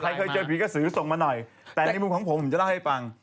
เคยเจอผีกระสือส่งมาหน่อยแต่ในมุมของผมผมจะเล่าให้ฟัง